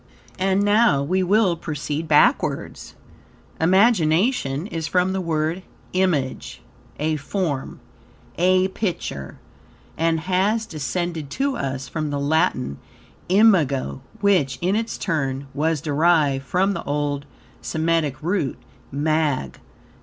And now we will proceed BACKWARDS. Imagination is from the word "image," a form, a picture, and has descended to us from the Latin "imago," which, in its turn, was derived from the old Semitic root, "mag."